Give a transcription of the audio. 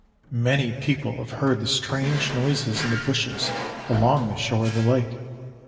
"Many people have heard the strange noises in the bushes along the shore of the lake.